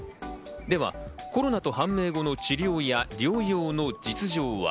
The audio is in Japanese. ではコロナと判明後の治療や療養の実情は？